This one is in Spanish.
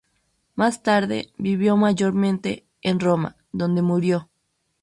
Más tarde vivió mayormente en Roma, donde murió.